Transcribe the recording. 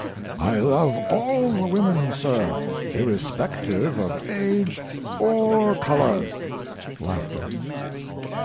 ] I love all the women, sir, irrespective of age or color. [Laughter.